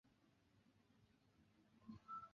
亚马孙港是巴西巴拉那州的一个市镇。